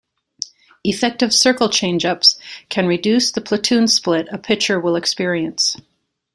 Effective circle changeups can reduce the platoon split a pitcher will experience.